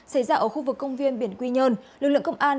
xảy ra ở khu vực công viên biển quy nhơn lực lượng công an